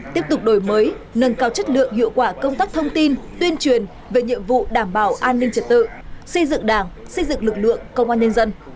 tiếp tục đổi mới nâng cao chất lượng hiệu quả công tác thông tin tuyên truyền về nhiệm vụ đảm bảo an ninh trật tự xây dựng đảng xây dựng lực lượng công an nhân dân